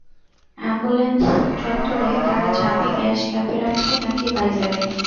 Ambulance চত্বরে, তারা চাবি গ্যাস ক্যাপে রাখে নাকি ভাইজারে?